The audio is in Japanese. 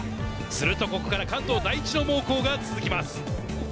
すると、ここから関東第一の猛攻が続きます。